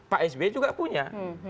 pak sby juga punya